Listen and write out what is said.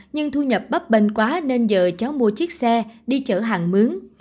nhưng thu nhập bấp bênh quá nên giờ cháu mua chiếc xe đi chở hàng mướn